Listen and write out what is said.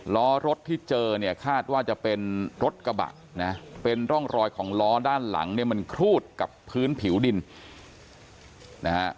ล้อรถที่เจอเนี่ยคาดว่าจะเป็นรถกระบะนะเป็นร่องรอยของล้อด้านหลังเนี่ยมันครูดกับพื้นผิวดินนะฮะ